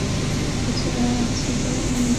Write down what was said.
খোজাআ ছিল অমুসলিম গোত্র।